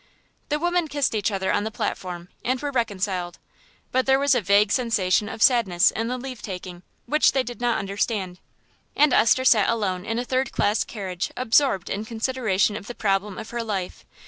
The women kissed each other on the platform and were reconciled, but there was a vague sensation of sadness in the leave taking which they did not understand. And Esther sat alone in a third class carriage absorbed in consideration of the problem of her life.